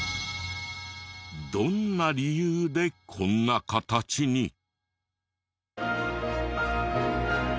どんな理由でこんな形に？